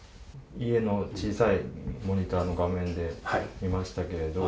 家の小さいモニターの画面で見ましたけれども。